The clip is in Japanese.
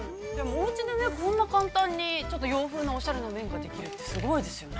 ◆こんなに簡単に洋風なおしゃれなめんができるって、すごいですよね。